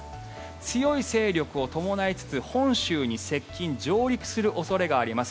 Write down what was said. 強い勢力を伴いつつ本州に接近・上陸する恐れがあります。